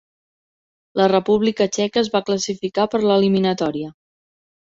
La República Txeca es va classificar per a l'eliminatòria.